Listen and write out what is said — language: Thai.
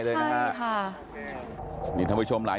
สวัสดีครับคุณผู้ชาย